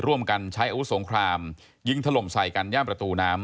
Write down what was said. ร่วมกันใช้อาวุธสงครามยิงถล่มใส่กันย่ามประตูน้ำ